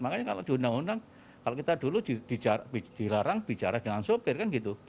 makanya kalau di undang undang kalau kita dulu dilarang bicara dengan sopir kan gitu